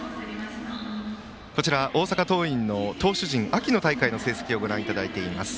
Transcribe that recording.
大阪桐蔭の投手陣の秋の大会の成績をご覧いただいています。